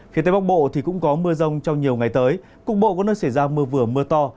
phía tây bắc bộ thì cũng có mưa rông trong nhiều ngày tới cục bộ có nơi xảy ra mưa vừa mưa to